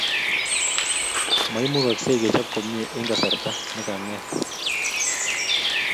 maimugaksei kechop komie eng kasarta nekanget